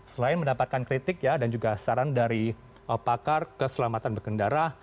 selain mendapatkan kritik dan juga saran dari pakar keselamatan berkendara